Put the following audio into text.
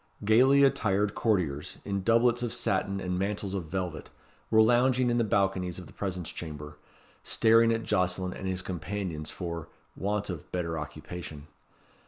Gaily attired courtiers, in doublets of satin and mantles of velvet, were lounging in the balconies of the presence chamber, staring at Jocelyn and his companions for, want of better occupation.